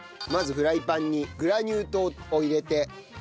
まずフライパンにグラニュー糖を入れて。